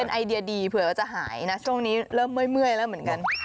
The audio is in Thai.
ไอเดียดีเผื่อว่าจะหายนะช่วงนี้เริ่มเมื่อยแล้วเหมือนกัน